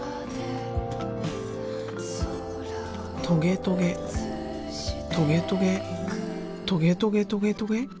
トゲトゲトゲトゲトゲトゲトゲトゲ。